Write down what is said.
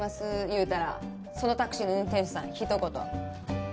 言うたらそのタクシーの運転手さんひと言。